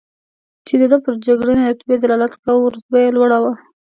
چې د ده پر جګړنۍ رتبه یې دلالت کاوه، رتبه یې لوړه وه.